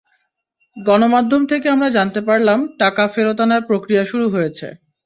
গণমাধ্যম থেকে আমরা জানতে পারলাম, টাকা ফেরত আনার প্রক্রিয়া শুরু হয়েছে।